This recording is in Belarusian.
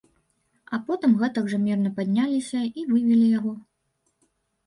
А потым гэтак жа мірна падняліся і вывелі яго.